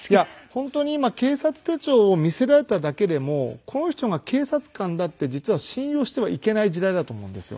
本当に今警察手帳を見せられただけでもこの人が警察官だって実は信用してはいけない時代だと思うんですよ。